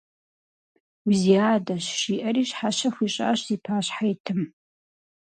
Узиадэщ, – жиӀэри щхьэщэ хуищӀащ зи пащхьэ итым.